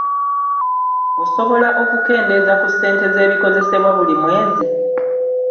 Osobola okukendeeza ku ssente z’ebikozesebwa mu mwezi?